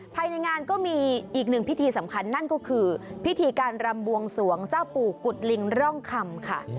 ภายในงานก็มีอีกหนึ่งพิธีสำคัญนั่นก็คือพิธีการรำบวงสวงเจ้าปู่กุฎลิงร่องคำค่ะ